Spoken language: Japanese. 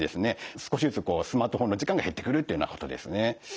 少しずつスマートフォンの時間が減ってくるっていうようなことですね。